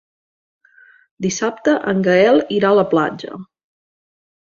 Dissabte en Gaël irà a la platja.